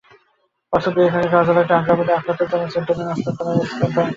বছর দুয়েক আগে কার্যালয়টি আগ্রাবাদের আখতারুজ্জামান সেন্টারের অষ্টম তলায় স্থানান্তর করা হয়।